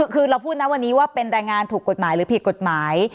คือเราพูดนะวันนี้ว่าเป็นแรงงานถูกกฎหมายหรือผิดกฎหมาย